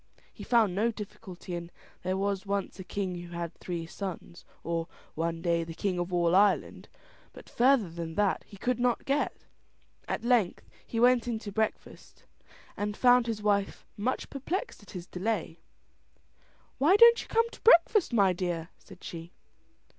He found no difficulty in "there was once a king who had three sons" or "one day the king of all Ireland," but further than that he could not get. At length he went in to breakfast, and found his wife much perplexed at his delay. "Why don't you come to breakfast, my dear?" said she.